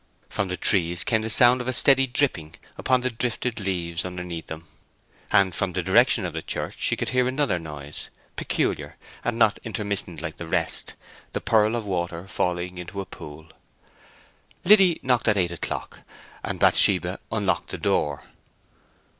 From the trees came the sound of steady dripping upon the drifted leaves under them, and from the direction of the church she could hear another noise—peculiar, and not intermittent like the rest, the purl of water falling into a pool. Liddy knocked at eight o'clock, and Bathsheba unlocked the door.